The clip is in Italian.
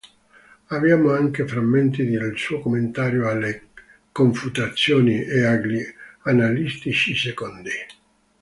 Abbiamo anche frammenti di un suo commentario alle "Confutazioni" e agli "Analitici Secondi".